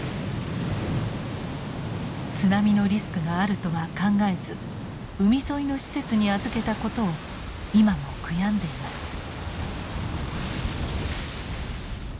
津波のリスクがあるとは考えず海沿いの施設に預けたことを今も悔やんでいます。